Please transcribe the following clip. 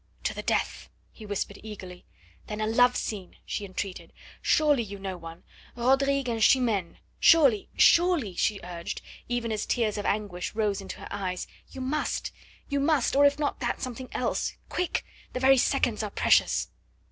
"To the death!" he whispered eagerly. "Then a love scene," she entreated. "Surely you know one. Rodrigue and Chimene! Surely surely," she urged, even as tears of anguish rose into her eyes, "you must you must, or, if not that, something else. Quick! The very seconds are precious!"